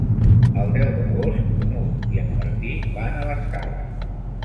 El deu d'agost n'Hug i en Martí van a l'Escala.